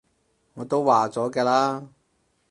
我都話咗嘅啦